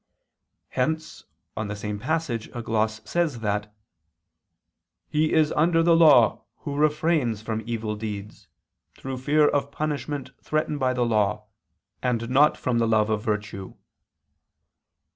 Hence, on the same passage a gloss says that "he is under the law, who refrains from evil deeds, through fear of punishment threatened by the law, and not from love of virtue."